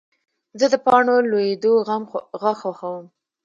زه د پاڼو لوېدو غږ خوښوم.